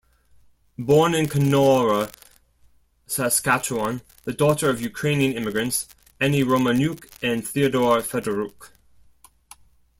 Born in Canora, Saskatchewan, the daughter of Ukrainian immigrants, Annie Romaniuk and Theodore Fedoruk.